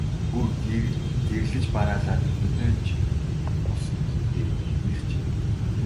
Бүр гэрлэж бараалаад охинтой ч болсон билүү дээ, тэднийх чинь.